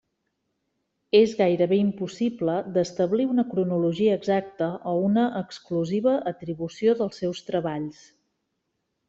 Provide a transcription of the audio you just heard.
És gairebé impossible d'establir una cronologia exacta o una exclusiva atribució dels seus treballs.